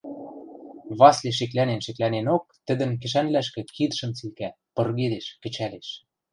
Васли, шеклӓнен-шеклӓненок, тӹдӹн кӹшӓнвлӓшкӹ кидшӹм цикӓ, пыргедеш, кӹчӓлеш.